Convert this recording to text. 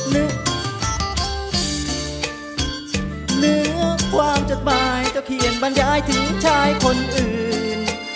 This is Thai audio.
เหนือความจดหมายจะเขียนบรรยายถึงชายคนอื่น